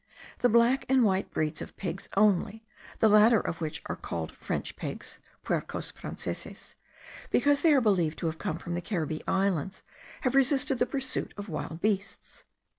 The black and white breeds of pigs only, the latter of which are called French pigs (puercos franceses), because they are believed to have come from the Caribbee Islands, have resisted the pursuit of wild beasts.